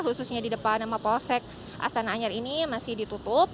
khususnya di depan mapolsek astana anyar ini masih ditutup